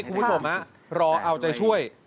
คุณผู้ชมรอเอาใจช่วย